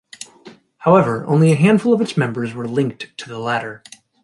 However, only a handful of its members were linked to the latter.